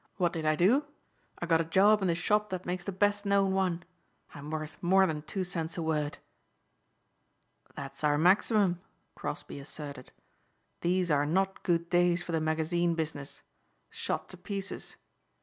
What did I do? I got a job in the shop that makes the best known one. I'm worth more than two cents a word!" "That's our maximum," Crosbeigh asserted. "These are not good days for the magazine business. Shot to pieces.